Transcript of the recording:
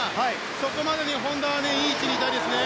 そこまでに、本多はいい位置にいたいですよね。